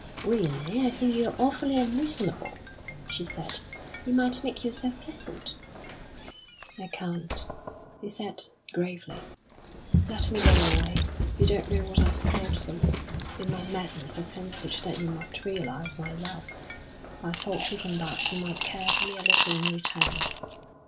"Really, I think you're awfully unreasonable," she said. "You might make yourself pleasant." "I can't," he said, gravely. "Let me go away. You don't know what I've felt for you. In my madness, I fancied that you must realise my love; I thought even that you might care for me a little in return."